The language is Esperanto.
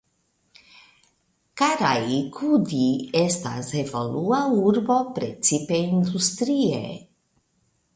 Karaikudi estas evolua urbo precipe industrie.